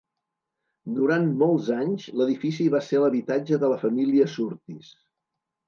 Durant molts anys l'edifici va ser l'habitatge de la família Surtees.